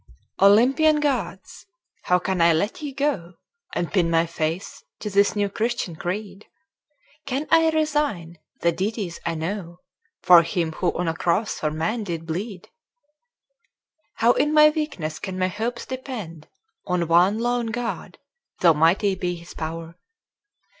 Olympian Gods! how can I let ye go And pin my faith to this new Christian creed? Can I resign the deities I know For him who on a cross for man did bleed? How in my weakness can my hopes depend On one lone God, though mighty be his pow'r?